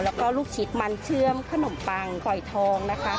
แล้วก็ลูกชิดมันเชื่อมขนมปังกอยทองนะคะ